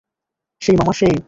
সেই মামা সেই!